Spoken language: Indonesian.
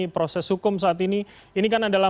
proses hukum saat ini ini kan adalah